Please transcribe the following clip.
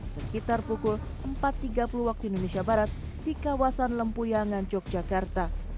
sekitar pukul empat tiga puluh waktu indonesia barat di kawasan lempuyangan yogyakarta